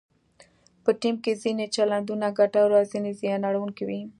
په ټیم کې ځینې چلندونه ګټور او ځینې زیان اړونکي وي.